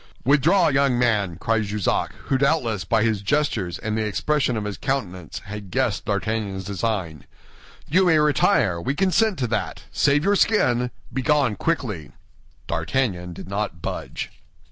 "Withdraw, young man," cried Jussac, who doubtless, by his gestures and the expression of his countenance, had guessed D'Artagnan's design. "You may retire; we consent to that. Save your skin; begone quickly." D'Artagnan did not budge.